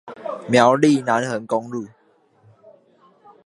苗栗南橫公路